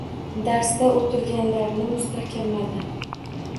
Darsda o'tilganlarni mustahkamladi